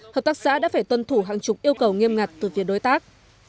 hợp tác xã đã phải tuân thủ hàng chục yêu cầu nghiêm ngặt từ phía đối tác